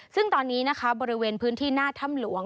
ซึ่งตอนนี้นะคะบริเวณพื้นที่หน้าถ้ำหลวง